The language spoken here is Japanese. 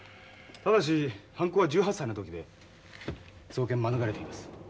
ただし犯行は１８歳の時で送検免れています。